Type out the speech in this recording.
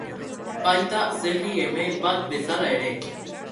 Baita zerri eme bat bezala ere.